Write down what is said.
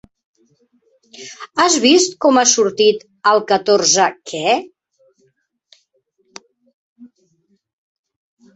Has vist com ha sortit el catorze que?